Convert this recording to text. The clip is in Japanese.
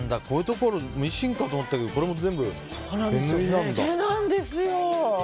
こういうところミシンかと思ったらこれも全部、手縫いなんだ。